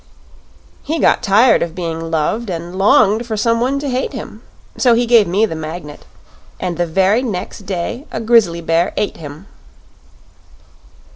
"He got tired of being loved and longed for some one to hate him. So he gave me the Magnet and the very next day a grizzly bear ate him."